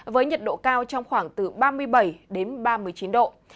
với nhiệt độ cao trong khoảng từ ba mươi bảy đến ba mươi chín độ